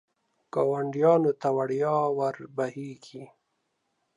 ګاونډیانو ته وړیا ور بهېږي.